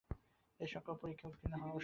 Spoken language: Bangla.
এই-সকল পরীক্ষায় উত্তীর্ণ হওয়া আবশ্যক।